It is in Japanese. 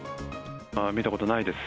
見たことないです。